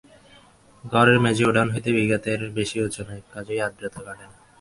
ঘরের মেঝে উঠান হইতে বিঘাতের বেশি উঁচু নয়, কাজেই আদ্রতা কাটে না।